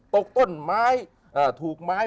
ตกต้นไม้ถูกไม้